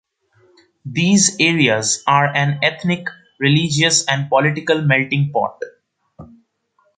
These areas are an ethnic, religious and political melting pot.